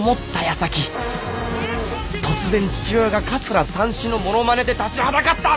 やさき突然父親が桂三枝のものまねで立ちはだかった！